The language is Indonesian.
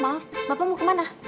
maaf bapak mau kemana